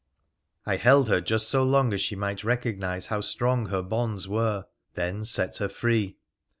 I held her just so long as she might recognise how strong her bonds were, then set her free.